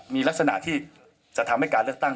มีลักษณะที่จะทำให้การเลือกตั้ง